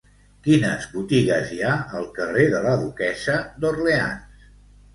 Quines botigues hi ha al carrer de la Duquessa d'Orleans?